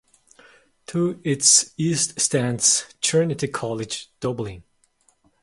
To its east stands Trinity College Dublin.